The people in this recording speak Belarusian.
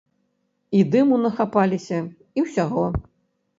І дыму нахапаліся, і ўсяго.